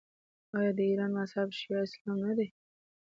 آیا د ایران مذهب شیعه اسلام نه دی؟